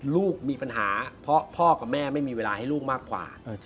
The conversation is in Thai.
ลูกมีปัญหาเพราะพ่อกับแม่ไม่มีเวลาให้ลูกมากกว่า